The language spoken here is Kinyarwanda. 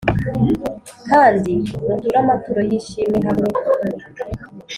Kandi muture amaturo y ishimwe hamwe